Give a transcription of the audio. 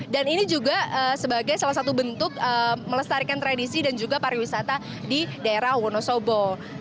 dan ini juga sebagai salah satu bentuk melestarikan tradisi dan juga pariwisata di daerah wonosobo